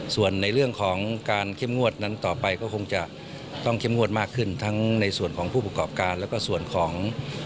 ส่วนในเรื่องของการเข้มงวดนั้นต่อไปก็คงจะต้องเข้มงวดมากขึ้นทั้งในส่วนของผู้ประกอบการแล้วก็ส่วนของ